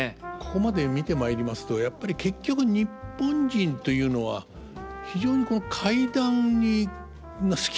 ここまで見てまいりますとやっぱり結局日本人というのは非常にこの怪談が好きなのかなって。